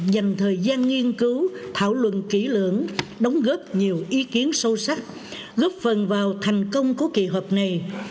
dành thời gian nghiên cứu thảo luận kỹ lưỡng đóng góp nhiều ý kiến sâu sắc góp phần vào thành công của kỳ họp này